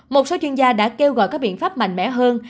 một số chuyên gia đã kêu gọi các biện pháp mạnh mẽ hơn